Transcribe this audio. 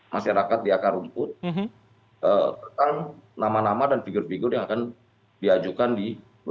masyarakat di akar rumput tentang nama nama dan figur figur yang akan diajukan di dua ribu dua puluh